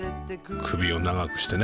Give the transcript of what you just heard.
首を長くしてね。